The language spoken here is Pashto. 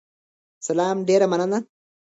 سلام، ډیره مننه